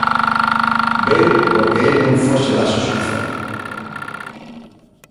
Veu porque el non foxe da xustiza.